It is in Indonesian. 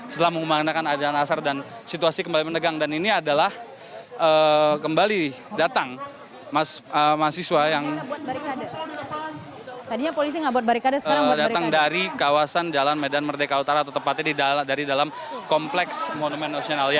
setelah mengumumkanakan adanya nasar dan situasi kembali menegang dan ini adalah kembali datang mahasiswa yang datang dari kawasan jalan medan merdeka utara atau tepatnya dari dalam kompleks monumen nasional